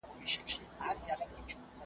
کږې خولې په سوک سمیږي د اولس د باتورانو